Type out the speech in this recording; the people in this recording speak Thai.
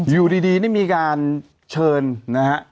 อยู่ดีนี่มีการเชิญนะฮะ